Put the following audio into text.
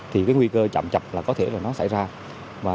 thì nguy cơ chậm chập có thể xảy ra